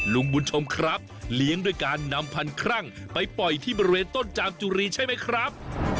ลุงบุญชมครับเลี้ยงด้วยการนำพันครั่งไปปล่อยที่บริเวณต้นจามจุรีใช่ไหมครับ